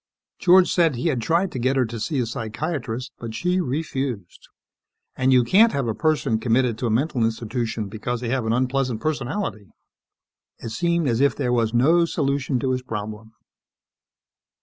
George said he had tried to get her to see a psychiatrist but she refused. And you can't have a person committed to a mental institution because they have an unpleasant personality! It seemed as if there was no solution to his problem.